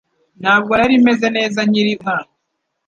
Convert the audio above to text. Ntabwo nari meze neza nkiri umwana.